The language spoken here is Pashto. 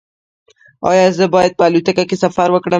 ایا زه باید په الوتکه کې سفر وکړم؟